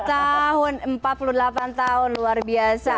empat puluh delapan tahun luar biasa